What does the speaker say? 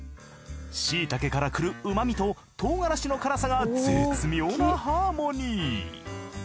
椎茸から来る旨みと唐辛子の辛さが絶妙なハーモニー。